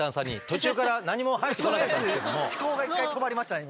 思考が一回止まりました今。